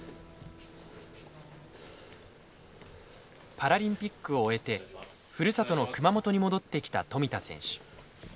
パラリンピックを終えてふるさとの熊本に戻ってきた富田選手。